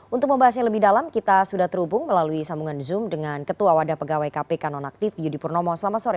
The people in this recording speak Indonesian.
untuk membahasnya lebih dalam kita sudah terhubung melalui sambungan zoom dengan ketua wadah pegawai kpk nonaktif yudi purnomo selamat sore